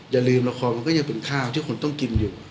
อย่าลืมละครมันก็ยังเป็นข้าวที่คนต้องกินอยู่